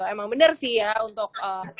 emang bener sih ya untuk